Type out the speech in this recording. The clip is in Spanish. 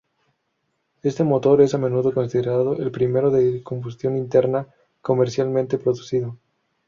Este motor es a menudo considerado el primero de combustión interna comercialmente producido.